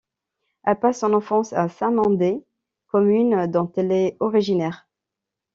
Elle passe son enfance à Saint-Mandé, commune dont elle est originaire.